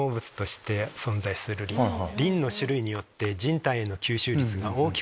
リンの種類によって人体への吸収率が異なります。